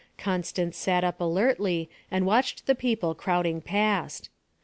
Constance sat up alertly and watched the people crowding past.